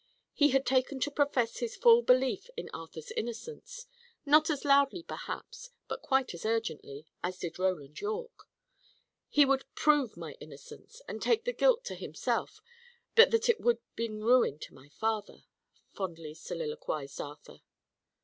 He had taken to profess his full belief in Arthur's innocence; not as loudly perhaps, but quite as urgently, as did Roland Yorke. "He would prove my innocence, and take the guilt to himself, but that it would bring ruin to my father," fondly soliloquised Arthur.